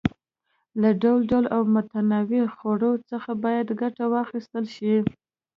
له ډول ډول او متنوعو خوړو څخه باید ګټه واخیستل شي.